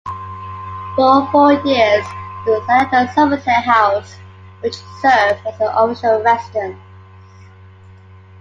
For four years he resided at Somerset House, which served as her official residence.